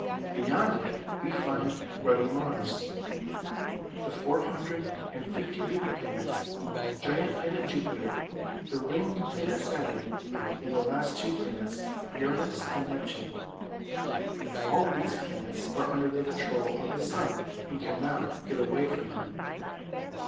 Beyond it, we find ruddy Mars, the four hundred and fifty baby planets, giant planet Jupiter, the ringed planet Saturn, and the last two planets, Uranus and Neptune. All these planets are under the control of the sun, and cannot get away from him."